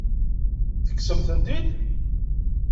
Tekksem-tent-id?